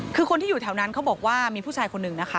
คือคนที่อยู่แถวนั้นเขาบอกว่ามีผู้ชายคนหนึ่งนะคะ